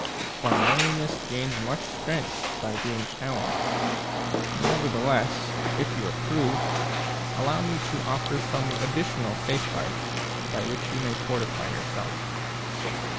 For manliness gains much strength by being challenged ; nevertheless, if you approve, allow me to offer some additional safeguards by which you may fortify yourself.